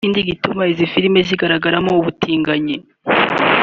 Ikindi gituma izi filime zigaragaramo ubutinganyi